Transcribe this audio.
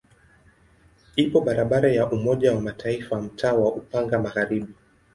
Ipo barabara ya Umoja wa Mataifa mtaa wa Upanga Magharibi.